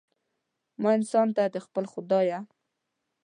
ما انسان ته، د خپل خدایه